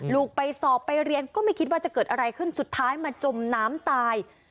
ลูกไปสอบไปเรียนก็ไม่คิดว่าจะเกิดอะไรขึ้นสุดท้ายมาจมน้ำตาย